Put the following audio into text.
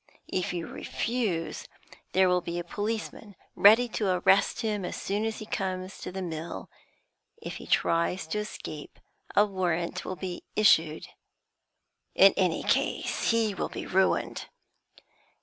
If you refuse, there will be a policeman ready to arrest him as soon as he comes to the mill; if he tries to escape, a warrant will be issued. In any case he will be ruined.'